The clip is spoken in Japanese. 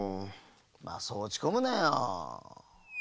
まあそうおちこむなよ。